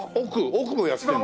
奥もやってるの？